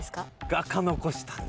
「画家」残したんだ。